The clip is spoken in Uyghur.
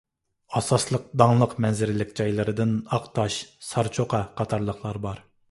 ئاساسلىق داڭلىق مەنزىرىلىك جايلىرىدىن ئاقتاش، سارچوقا قاتارلىقلار بار.